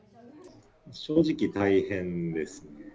正直、大変ですね。